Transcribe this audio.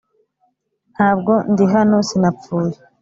ntabwo ndi hano; sinapfuye.